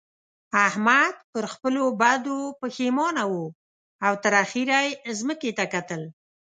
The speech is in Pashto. احمد پر خپلو بدو پېښمانه وو او تر اخېره يې ځمکې ته کتل.